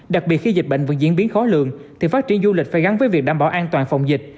đặc biệt khi dịch bệnh vẫn diễn biến khó lường thì phát triển du lịch phải gắn với việc đảm bảo an toàn phòng dịch